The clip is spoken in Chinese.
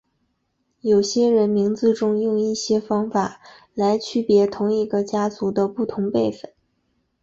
有些人名字中用一些方法来区别同一个家族的不同辈分。